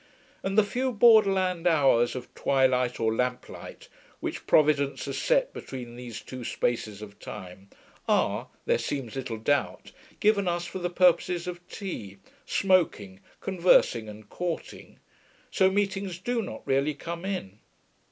And the few borderland hours of twilight or lamplight which providence has set between these two spaces of time, are, there seems little doubt, given us for the purposes of tea, smoking, conversing, and courting. So meetings do not really come in.